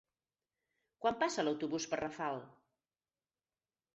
Quan passa l'autobús per Rafal?